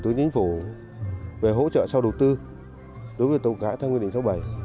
chúng tôi sẽ đảm bảo chính phủ về hỗ trợ sau đầu tư đối với tàu cá theo quyết định số bảy